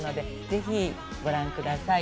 ぜひご覧ください。